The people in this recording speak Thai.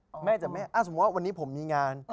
สมมุติว่าวันนี้ผมมีงาน